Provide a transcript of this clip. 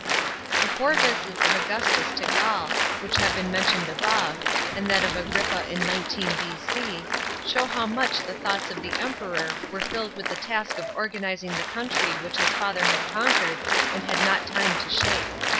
The four visits of Augustus to Gaul, which have been mentioned above, and that of Agrippa in 19 B.C., show how much the thoughts of the Emperor were filled with the task of organizing the country which his father had conquered and had not time to shape.